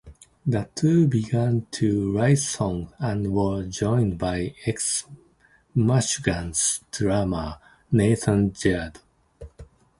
The two began to write songs, and were joined by ex-Mushuganas drummer, Nathan Jerde.